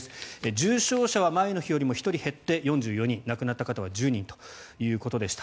重症者は前の日よりも１人減って４４人亡くなった方は１０人ということでした。